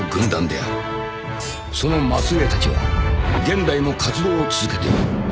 ［その末裔たちは現代も活動を続けている］